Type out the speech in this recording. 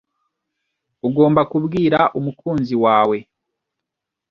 ugomba kubwira umukunzi wawe